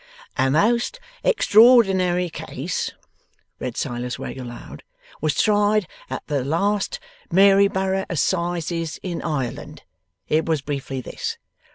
'"A most extraordinary case,"' read Silas Wegg aloud, '"was tried at the last Maryborough assizes in Ireland. It was briefly this.